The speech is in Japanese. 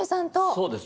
そうです。